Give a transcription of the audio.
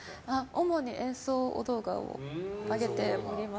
主に演奏お動画を上げております。